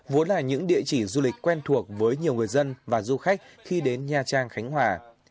vốn là những địa chỉ du lịch quen thuộc với nhiều người dân và du khách khi đến nha trang khánh hòa